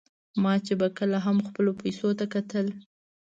ما چې به کله هم خپلو پیسو ته کتل.